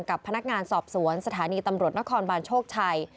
กับพนักงานสอบสวนสถานีตำรวจนครบานโชคชัย